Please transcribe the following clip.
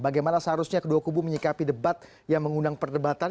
bagaimana seharusnya kedua kubu menyikapi debat yang mengundang perdebatan